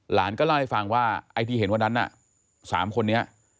หลานก็เล่าให้ฟังว่าไอ้ที่เห็นวันนั้นน่ะ๓คนนี้